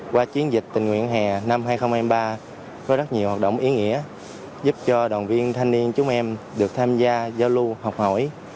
qua chiến dịch tình nguyện hè năm hai nghìn hai mươi ba với rất nhiều hoạt động ý nghĩa giúp cho đoàn viên thanh niên chúng em được tham gia giao lưu học hỏi